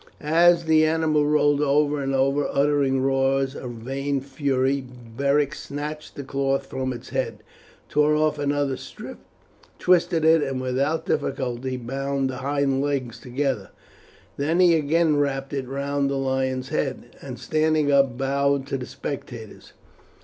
As the animal rolled over and over uttering roars of vain fury, Beric snatched the cloth from its head, tore off another strip, twisted it, and without difficulty bound its hind legs together. Then he again wrapped it round the lion's head, and standing up bowed to the spectators.